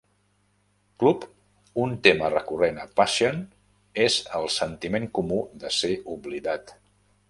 Club, un tema recurrent a "Passion" és "el sentiment comú de ser oblidat".